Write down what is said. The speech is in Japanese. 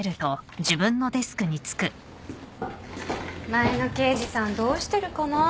前の刑事さんどうしてるかな？